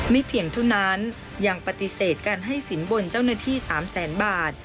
เพียงเท่านั้นยังปฏิเสธการให้สินบนเจ้าหน้าที่๓แสนบาท